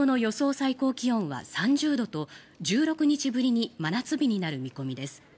最高気温は３０度と１６日ぶりに真夏日になる見込みです。